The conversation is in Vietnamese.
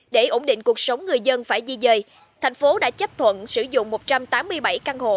để ổn định cuộc sống người dân phải di dời thành phố đã chấp thuận sử dụng một trăm tám mươi bảy căn hộ